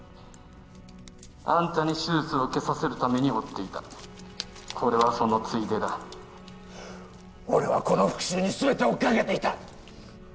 アンタに手術を受けさせるために追っていたこれはそのついでだ俺はこの復讐に全てをかけていた！